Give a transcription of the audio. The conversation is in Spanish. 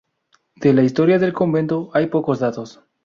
De la historia del convento hay pocos datos.